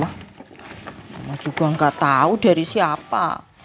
mama juga gak tau dari siapa